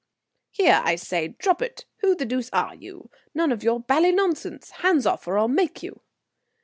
"Here, I say, drop it. Who the deuce are you? None of your bally nonsense. Hands off, or I'll make you."